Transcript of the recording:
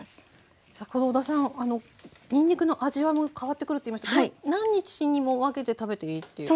先ほど小田さんにんにくの味わいも変わってくると言いましたけど何日にも分けて食べていいっていう感じですか？